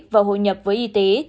và hội nhập với y tế